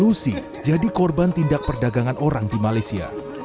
lusi jadi korban tindak perdagangan orang di malaysia